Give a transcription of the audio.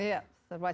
ya serba cepat ya